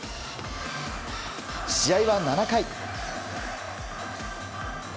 試合は７回。